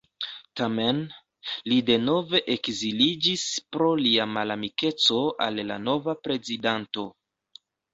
Tamen, li denove ekziliĝis pro lia malamikeco al la nova prezidanto.